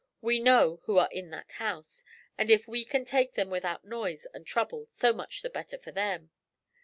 We know who are in that house, and if we can take them without noise and trouble, so much the better for them.